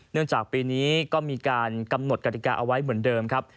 จากปีนี้ก็มีการกำหนดกฎิกาเอาไว้เหมือนเดิมครับ